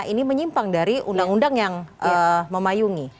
ini menyimpang dari undang undang yang memayungi